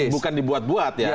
bukan dibuat buat ya